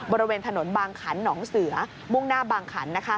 บริเวณถนนบางขันหนองเสือมุ่งหน้าบางขัน